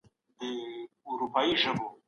حقوقپوهان ولي د ماشومانو حقونه پلي کوي؟